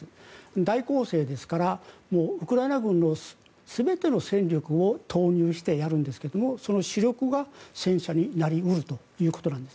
大攻勢ですから、ウクライナ軍の全ての戦力を投入してやるんですがその主力が戦車になり得るということなんです。